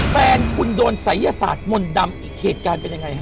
แฟนคุณโดนศัยยศาสตร์มนต์ดำอีกเหตุการณ์เป็นยังไงฮะ